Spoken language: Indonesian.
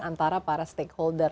antara para stakeholder